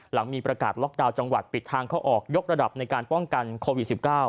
หลังมีประกาศล็อกดาวน์จังหวัดปิดทางเข้าออกยกระดับในการป้องกันโควิด๑๙